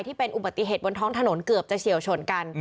ที่เป็นอุบัติเหตุบนท้องถนนเกือบจะเฉียวชนกัน